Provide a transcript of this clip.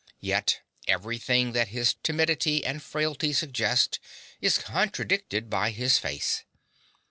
Yet everything that his timidity and frailty suggests is contradicted by his face.